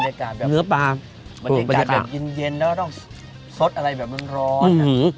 บรรยากาศแบบเนื้อปลาบรรยากาศแบบยินแล้วก็ต้องซดอะไรแบบมันร้อนนะ